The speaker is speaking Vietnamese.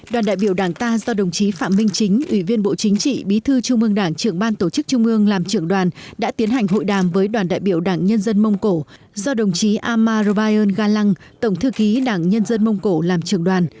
đoàn đại biểu đảng ta do đồng chí phạm minh chính ủy viên bộ chính trị bí thư trung ương đảng trưởng ban tổ chức trung ương làm trưởng đoàn đã tiến hành hội đàm với đoàn đại biểu đảng nhân dân mông cổ do đồng chí amaroion galang tổng thư ký đảng nhân dân mông cổ làm trưởng đoàn